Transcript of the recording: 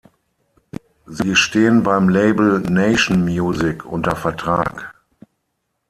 Sie stehen beim Label Nation Music unter Vertrag.